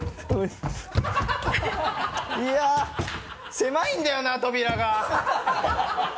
狭いんだよな扉が！